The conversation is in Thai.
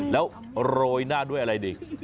แล้วโรยหน้าด้วยอะไรดี